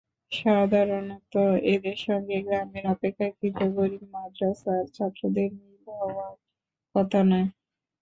সাধারণত এদের সঙ্গে গ্রামের অপেক্ষাকৃত গরিব মাদ্রাসার ছাত্রদের মিল হওয়ার কথা নয়।